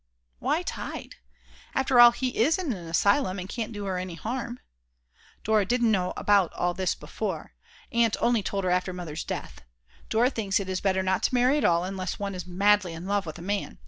Why tied? After all, he is in an asylum and can't do her any harm. Dora didn't know about all this before, Aunt only told her after Mother's death. Dora thinks it is better not to marry at all, unless one is madly in love with a man.